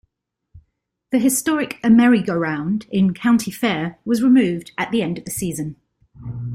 The historic Ameri-Go-Round in County Fair was removed at the end of the season.